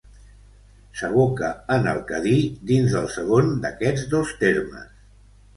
S'aboca en el Cadí dins del segon d'aquests dos termes.